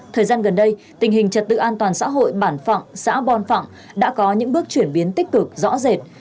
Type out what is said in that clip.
thời gian gần đây tình hình trật tự an toàn xã hội bản phạng xã bòn phạng đã có những bước chuyển biến tích cực rõ rệt